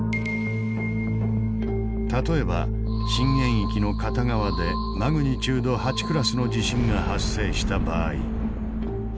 例えば震源域の片側でマグニチュード８クラスの地震が発生した場合。